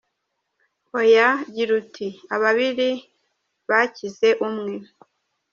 Oya, gira uti “Ababiri bakize umwe”.